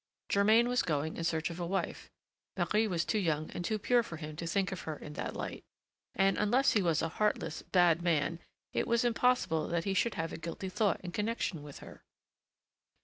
Germain was going in search of a wife; Marie was too young and too pure for him to think of her in that light, and, unless he was a heartless, bad man, it was impossible that he should have a guilty thought in connection with her.